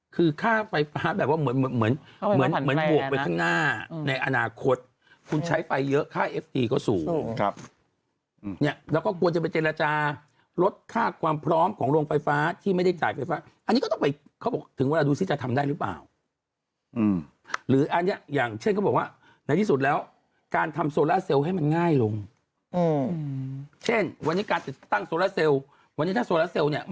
เขาก็ต้องการให้ลดค่าไฟฟ้าง่วงสุดท้ายเนี่ย